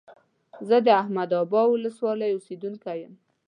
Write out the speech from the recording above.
زه د احمد ابا ولسوالۍ اوسيدونکى يم.